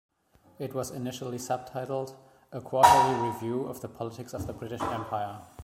It was initially subtitled, "A Quarterly Review of the Politics of the British Empire".